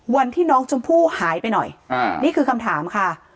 วันที่น้องชมพู่หายไปหน่อยนี่คือคำถามค่ะ